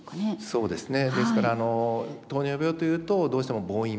そうですね